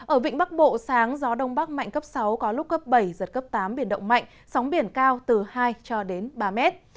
ở vịnh bắc bộ sáng gió đông bắc mạnh cấp sáu có lúc cấp bảy giật cấp tám biển động mạnh sóng biển cao từ hai cho đến ba mét